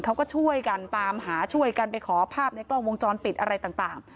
เขาก็ช่วยกันตามหาช่วยกันไปขอภาพในกล้องวงจรปิดอะไรต่าง